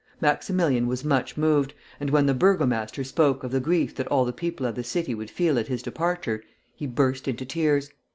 Maximilian was much moved, and when the burgomaster spoke of the grief that all the people of the city would feel at his departure, he burst into tears.